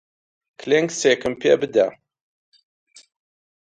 کلێنکسێکم پێ بدە.